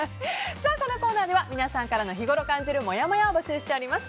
このコーナーでは皆さんからの日ごろ感じるもやもやを募集しております。